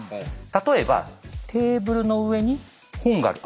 例えばテーブルの上に本がある。